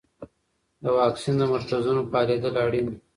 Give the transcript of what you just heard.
د واکسین د مرکزونو فعالیدل اړین دي.